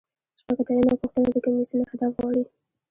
شپږ اتیا یمه پوښتنه د کمیسیون اهداف غواړي.